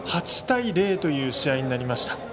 ８対０という試合になりました。